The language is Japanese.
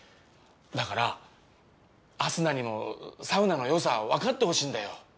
だから明日菜にもサウナのよさわかってほしいんだよ。